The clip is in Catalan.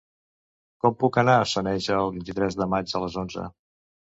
Com puc anar a Soneja el vint-i-tres de maig a les onze?